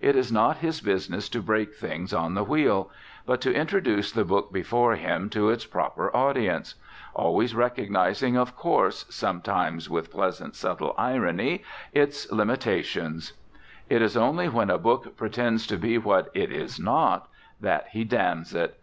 It is not his business to break things on the wheel; but to introduce the book before him to its proper audience; always recognising, of course, sometimes with pleasant subtle irony, its limitations. It is only when a book pretends to be what it is not, that he damns it.